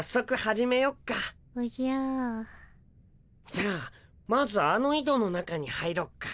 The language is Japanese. じゃあまずあのいどの中に入ろっか。